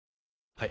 はい。